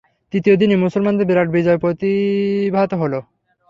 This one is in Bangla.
তৃতীয় দিনে মুসলমানদের বিরাট বিজয় প্রতিভাত হল।